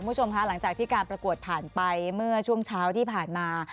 คุณผู้ชมคะหลังจากที่การประกวดผ่านไปเมื่อช่วงเช้าที่ผ่านมา